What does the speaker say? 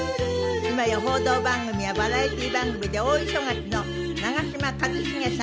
今や報道番組やバラエティー番組で大忙しの長嶋一茂さんです。